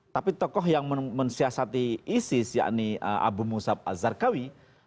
tapi tokoh yang mensiasati isis yakni abu musab azharkawi